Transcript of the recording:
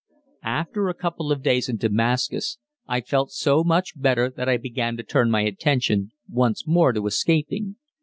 After a couple of days in Damascus, I felt so much better that I began to turn my attention once more to escaping.